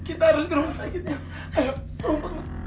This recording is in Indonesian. ya kita harus ke rumah sakit ya